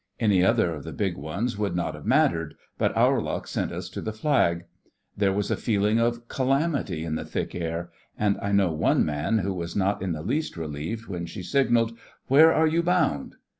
Any other of the big ones would not have mattered, but our luck sent us to the Flag. There was a feeling of calamity in the thick air, and I know one man who was not in the least relieved when she signalled: 'Where are you bound?